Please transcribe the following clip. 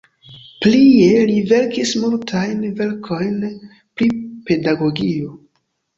Plie li verkis multajn verkojn pri pedagogio.